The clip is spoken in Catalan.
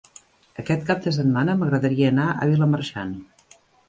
Aquest cap de setmana m'agradaria anar a Vilamarxant.